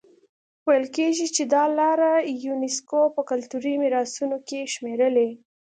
ویل کېږي چې دا لاره یونیسکو په کلتوري میراثونو کې شمېرلي.